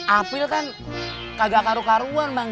apil kan kagak karu karuan bang